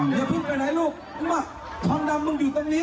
อย่าพูดไปไหนลูกมาทองดำมึงอยู่ตรงนี้